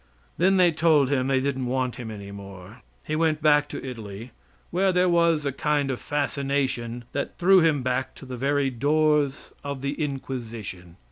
Then they told him they didn't want him any more. He went back to Italy, where there was a kind of fascination that threw him back to the very doors of the Inquisition.